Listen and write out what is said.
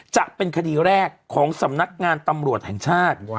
จะเป็นคดีแรกของสำนักงานตำรวจแห่งชาติ